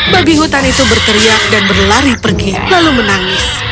babi hutan itu berteriak dan berlari pergi lalu menangis